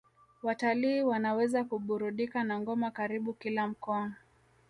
Watalii wanaweza kuburudika na ngoma karibu kila mkoa